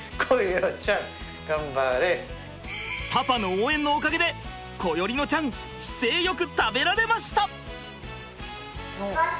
パパの応援のおかげで心縁乃ちゃん姿勢よく食べられました！